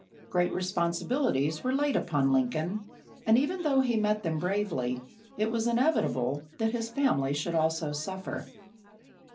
Great responsibilities were laid upon Lincoln and even though he met them bravely it was inevitable that his family should also suffer.